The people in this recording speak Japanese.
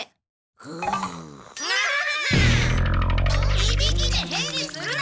ぐ！がっ！いびきで返事するな！